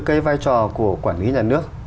cái vai trò của quản lý nhà nước